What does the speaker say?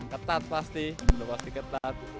ketat pasti sudah pasti ketat